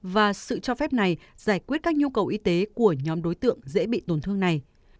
và sự cho phép này giải quyết các nhu cầu y tế của nhóm đối tượng dễ bị tổn thương này